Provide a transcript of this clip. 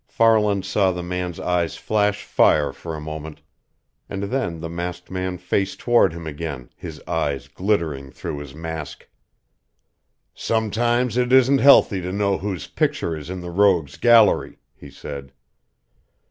Farland saw the man's eyes flash fire for a moment. And then the masked man faced toward him again, his eyes glittering through his mask. "Sometimes it isn't healthy to know whose picture is in the rogues' gallery!" he said.